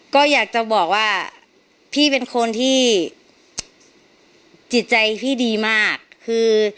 ก็อยากจะบอกว่าพี่เป็นคนที่จิตใจพี่ดีมากคือ